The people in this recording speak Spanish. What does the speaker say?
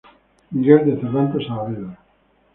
Miguel de Cervantes Saavedra.